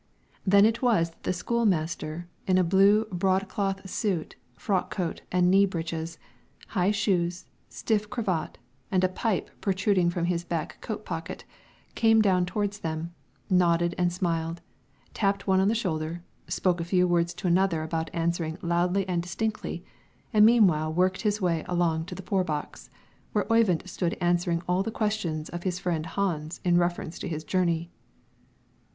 Then it was that the school master, in a blue broadcloth suit, frock coat, and knee breeches, high shoes, stiff cravat, and a pipe protruding from his back coat pocket, came down towards them, nodded and smiled, tapped one on the shoulder, spoke a few words to another about answering loudly and distinctly, and meanwhile worked his way along to the poor box, where Oyvind stood answering all the questions of his friend Hans in reference to his journey.